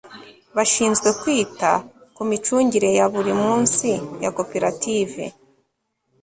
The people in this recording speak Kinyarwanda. bashinzwe kwita ku micungire ya buri munsi ya koperative